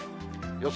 予想